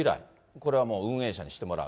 これは運営者にしてもらう。